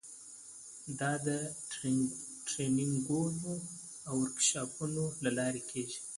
دا د ټریننګونو او ورکشاپونو له لارې کیږي.